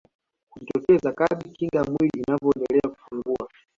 Hujitokeza kadri kinga ya mwili inavyoendelea kupungua